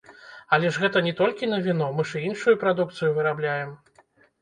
Але ж гэта не толькі на віно, мы ж і іншую прадукцыю вырабляем.